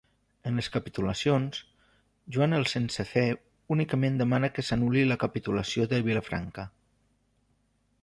En les Capitulacions, Joan el Sense Fe únicament demana que s'anul·li la Capitulació de Vilafranca.